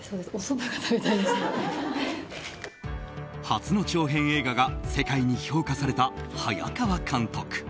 初の長編映画が世界に評価された早川監督。